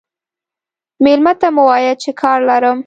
مېلمه ته مه وایه چې کار لرم.